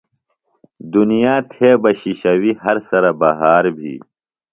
دُنیا تھےۡ بہ شِشویۡ، ہر سرہ بہار بھی